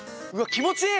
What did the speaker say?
気持ちいい！